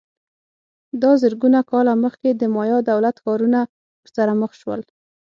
دا زرګونه کاله مخکې د مایا دولت ښارونه ورسره مخ شول